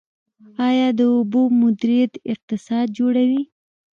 آیا د اوبو مدیریت اقتصاد جوړوي؟